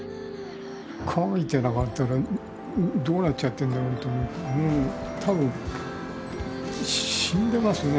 描いてなかったらどうなっちゃってんだろうと思うと多分死んでますね